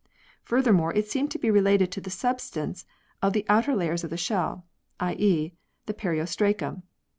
Further more it seemed to be related to the substance of the outer layer of the shell, i.e. the periostracum.